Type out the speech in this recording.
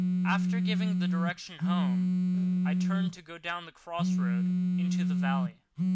After giving the direction, "Home!" I turned to go down the cross road into the valley.